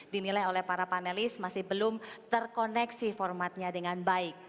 dinilai oleh para panelis masih belum terkoneksi formatnya dengan baik